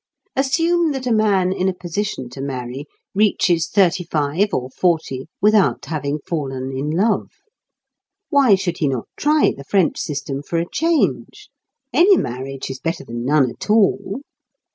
Assume that a man in a position to marry reaches thirty five or forty without having fallen in love. Why should he not try the French system for a change? Any marriage is better than none at all.